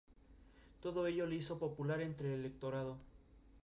Este fue el incidente que condujo a la muerte de Cook.